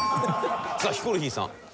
さあヒコロヒーさん。